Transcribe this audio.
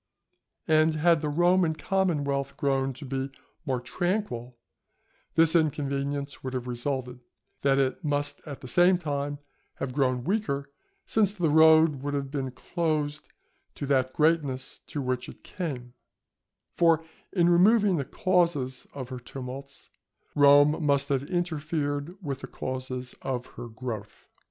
And had the Roman commonwealth grown to be more tranquil, this inconvenience would have resulted, that it must at the same time have grown weaker, since the road would have been closed to that greatness to which it came, for in removing the causes of her tumults, Rome must have interfered with the causes of her growth.